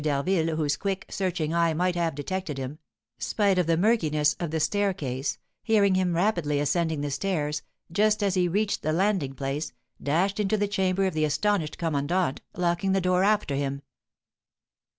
d'Harville, whose quick, searching eye might have detected him, spite of the murkiness of the staircase, hearing him rapidly ascending the stairs, just as he reached the landing place, dashed into the chamber of the astonished commandant, locking the door after him.